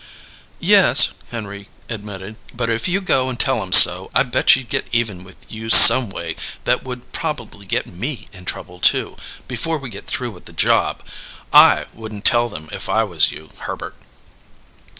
"Yes," Henry admitted. "But if you go and tell 'em so, I bet she'd get even with you some way that would probably get me in trouble, too, before we get through with the job. I wouldn't tell 'em if I was you, Herbert!"